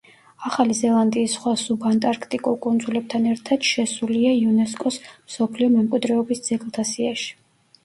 ახალი ზელანდიის სხვა სუბანტარქტიკულ კუნძულებთან ერთად შესულია იუნესკოს მსოფლიო მემკვიდრეობის ძეგლთა სიაში.